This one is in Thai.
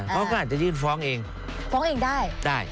เขาก็อาจจะยื่นฟ้องเองฟ้องเองได้ได้